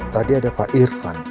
tadi ada pak irfan